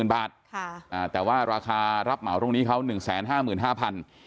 ๑๑๐๐๐๐บาทแต่ว่าราคารับเหมาตรงนี้เขา๑๕๕๐๐๐บาท